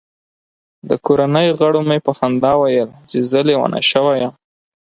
د کورنۍ غړو مې په خندا ویل چې زه لیونی شوی یم.